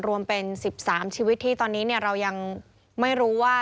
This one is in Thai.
รวมเป็น๑๓ชีวิตที่ตอนนี้เรายังไม่รู้ว่า